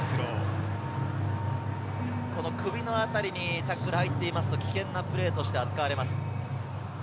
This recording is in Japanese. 首の辺りにタックルが入っていますと危険なプレーとして扱われます。